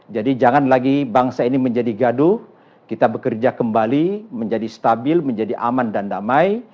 jadi jangan lagi bangsa ini menjadi gaduh kita bekerja kembali menjadi stabil menjadi aman dan damai